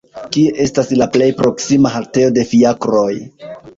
Kie estas la plej proksima haltejo de fiakroj!